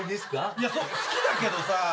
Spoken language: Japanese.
いや好きだけどさ。